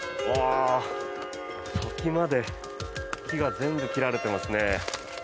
先まで木が全部切られてますね。